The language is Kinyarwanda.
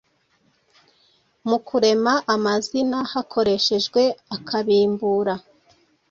Mu kurema amazina hakoreshejwe akabimbura,